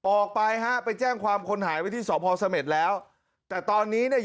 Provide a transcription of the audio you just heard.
ออกไปฮะไปแจ้งความคนหายไว้ที่สพเสม็ดแล้วแต่ตอนนี้เนี่ย